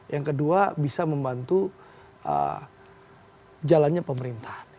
yang kedua bisa membantu jalannya pemerintahan